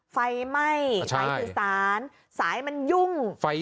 ไฟไหม้สายสื่อสารสายมันยุ่ง